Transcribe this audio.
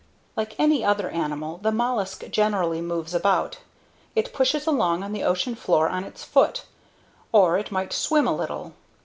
Like any other animal, the mollusk generally moves about. It pushes along on the ocean floor on its foot, or it might swim a little.